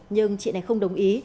nhưng chị này không đồng ý